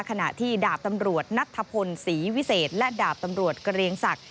ขณะที่ดาบตำรวจนัทธพลศรีวิเศษและดาบตำรวจเกรียงศักดิ